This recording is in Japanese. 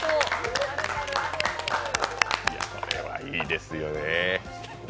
これはいいですよね。